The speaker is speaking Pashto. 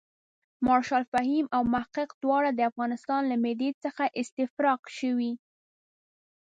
مارشال فهیم او محقق دواړه د افغانستان له معدې څخه استفراق شوي.